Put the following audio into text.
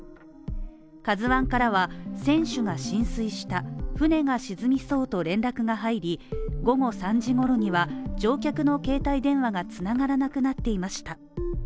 「ＫＡＺＵⅠ」からは、船首が浸水した船が沈みそうと連絡が入り、午後３時ごろには乗客の携帯電話がつながらなくなっていました